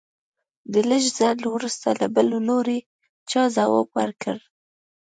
د لږ ځنډ وروسته له بل لوري چا ځواب ورکړ.